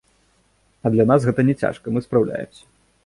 А для нас гэта не цяжка, мы спраўляемся.